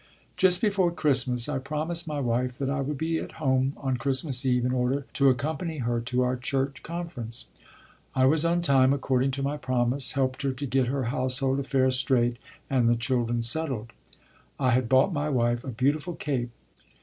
Just before Christmas I promised my wife that I would be at home on Christmas Eve in order to accompany her to our church conference. I was on time according to my promise, helped her to get her household affairs straight and the children settled. I had bought my wife a beautiful cape.